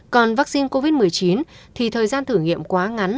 còn vaccine covid một mươi chín thì thời gian thử nghiệm quá ngắn